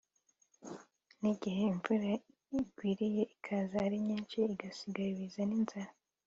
n’igihe imvura igwiriye ikaza ari nyinshi igasiga ibiza n’inzara